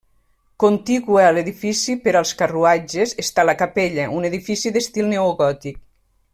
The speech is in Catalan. Contigua a l'edifici per als carruatges està la capella, un edifici d'estil neogòtic.